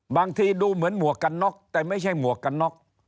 บางทีดูเหมือนหมวกกันน็อกแต่ไม่ใช่หมวกกันน็อก